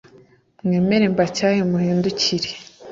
Mwemere mbacyahe muhindukire